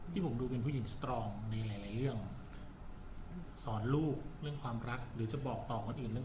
พี่บุ่มดูเป็นผู้หญิงสตรองในหลายเร่ง